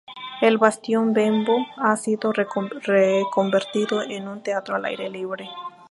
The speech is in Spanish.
El bastión Bembo ha sido reconvertido en un teatro al aire libre.